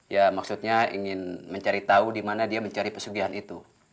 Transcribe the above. ya maksudnya ingin mencari tahu di mana dia mencari pesugihan itu